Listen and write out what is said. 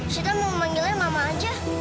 sidang mau manggilnya mama aja